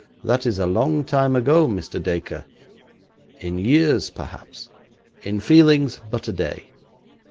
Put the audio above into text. That is a long time ago, Mr. Dacre.' 'In years perhaps; in feelings but a day.